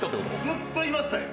ずっといましたよ